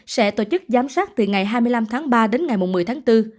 sẽ tổ chức giám sát từ ngày hai mươi năm tháng ba đến ngày một mươi tháng bốn